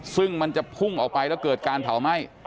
ซึ่งมันจะพุ่งออกไปแล้วเกิดการเผาไหม้